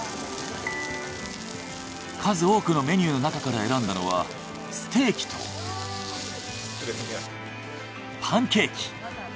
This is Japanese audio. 数多くのメニューの中から選んだのはステーキとパンケーキ。